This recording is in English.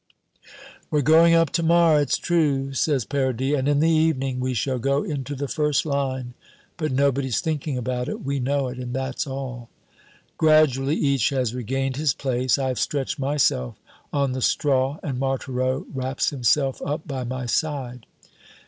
"We're going up to morrow, it's true," says Paradis, "and in the evening we shall go into the first line. But nobody's thinking about it. We know it, and that's all." Gradually each has regained his place. I have stretched myself on the straw, and Marthereau wraps himself up by my side.